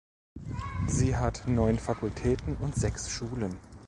Sie hat neun Fakultäten und sechs Schulen.